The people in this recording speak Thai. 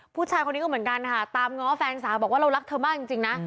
ผู้ชายคนนี้ก็เหมือนกันค่ะตามง้อแฟนสาวบอกว่าเรารักเธอมากจริงนะ